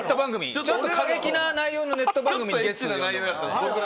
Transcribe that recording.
ちょっと過激な内容のネット番組だったんです。